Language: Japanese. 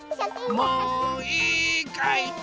もういいかい？